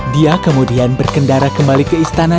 dia kemudian berkendara kembali ke istana